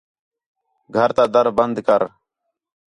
گھر تا در بند کر